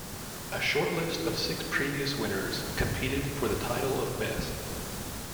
A shortlist of six previous winners competed for the title of Best.